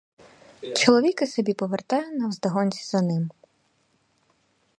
Чоловік і собі повертає навздогінці за ним.